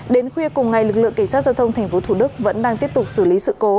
đến khuya cùng ngày lực lượng kỳ sát giao thông thành phố thủ đức vẫn đang tiếp tục xử lý sự cố